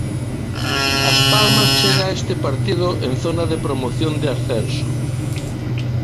As Palmas chega a este partido en zona de promoción de ascenso.